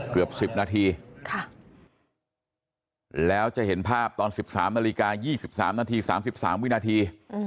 เกือบ๑๐นาทีแล้วจะเห็นภาพตอน๑๓นาฬิกา๒๓นาที๓๓วินาที